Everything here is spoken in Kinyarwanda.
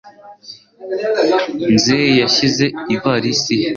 Nzeyi yashyize ivalisi ye.